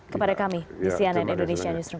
kepada kami di sianan indonesia